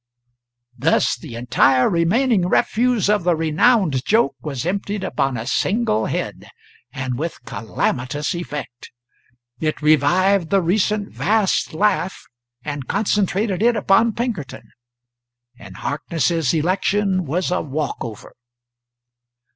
Thus the entire remaining refuse of the renowned joke was emptied upon a single head, and with calamitous effect. It revived the recent vast laugh and concentrated it upon Pinkerton; and Harkness's election was a walk over.